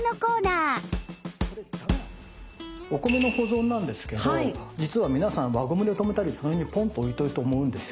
お米の保存なんですけど実は皆さん輪ゴムで留めたりその辺にぽんと置いとくと思うんですよ。